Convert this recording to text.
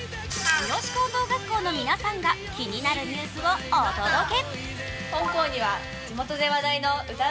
三次高等学校の皆さんが気になるニュースをお届け。